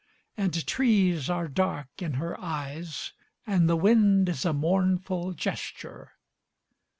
And trees are dark in her eyes, and the wind is a mournful gesture.